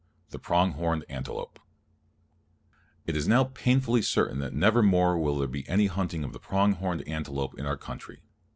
The Prong Horned Antelope It is now painfully certain that nevermore will there be any hunting of the prong horned antelope in our country.